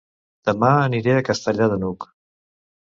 Dema aniré a Castellar de n'Hug